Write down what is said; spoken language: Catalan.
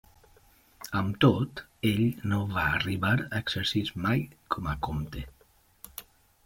Amb tot, ell no va arribar a exercir mai com a comte.